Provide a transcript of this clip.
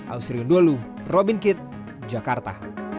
ausri undolu robin kitt jakarta